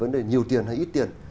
để nhiều tiền hay ít tiền